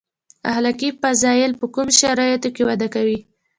اخلاقي فضایل په کومو شرایطو کې وده کوي.